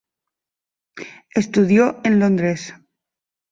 Estudió en Londres.